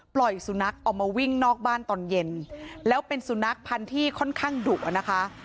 ปล่อยสุนัขออกมาวิ่งนอกบ้านตอนเย็นแล้วเป็นสุนัขพันธุ์ที่ค่อนข้างดุอ่ะนะคะ